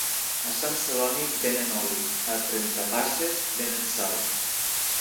A Sant Celoni venen oli, a Trentapasses venen sal